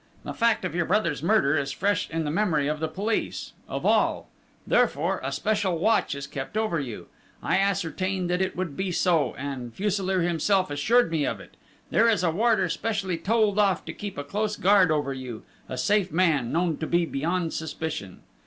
The fact of your brother's murder is fresh in the memory of the police, of all, therefore, a special watch is kept over you. I ascertained that it would be so, and Fuselier himself assured me of it: there is a warder specially told off to keep a close guard over you, a safe man, known to be beyond suspicion....